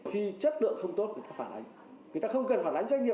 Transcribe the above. vì chất lượng không tốt người ta phản ánh người ta không cần phản ánh doanh nghiệp